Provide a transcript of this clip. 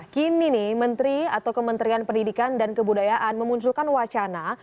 kini nih menteri atau kementerian pendidikan dan kebudayaan memunculkan wacana